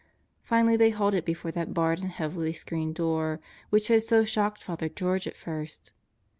Finally they halted before that barred and heavily screened door which had so shocked Father George at first.